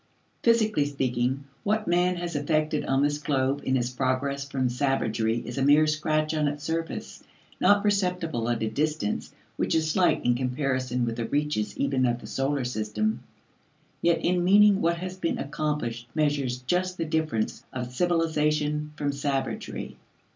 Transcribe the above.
Physically speaking, what man has effected on this globe in his progress from savagery is a mere scratch on its surface, not perceptible at a distance which is slight in comparison with the reaches even of the solar system. Yet in meaning what has been accomplished measures just the difference of civilization from savagery.